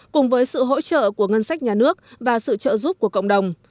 cùng với sự hỗ trợ của ngân sách nhà nước và sự trợ giúp của cộng đồng